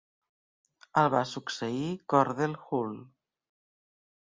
El va succeir Cordell Hull.